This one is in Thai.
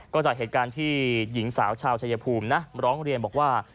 ก็จากเหตุการณ์ที่หญิงสาวชาวชายภูมินะร้องเรียนบอกว่า